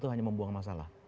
hanya membuang masalah